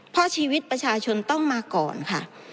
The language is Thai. เพราะชีวิตประชาชนต้องมาก่อนค่ะ